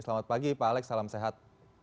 selamat pagi pak alex salam sehat